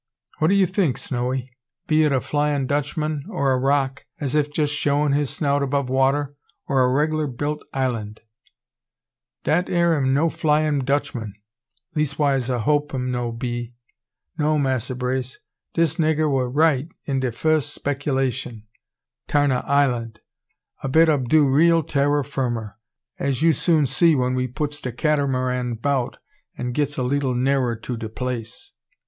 What do you think, Snowy? Be it a Flyin' Dutchman, or a rock, as if just showin' his snout above water, or a reg'lar built island?" "Dat 'ere am no Flyin' Dutchman, leas'wise a hope um no' be. No, Massa Brace, dis nigga wa right in de fuss speckelashun. 'Tarn a island, a bit ob do real terrer firmer, as you soon see when we puts de Cat'maran 'bout an' gits a leetle nearer to de place."